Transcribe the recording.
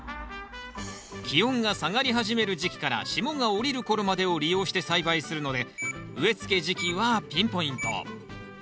気温が下がり始める時期から霜が降りる頃までを利用して栽培するので植えつけ時期はピンポイント。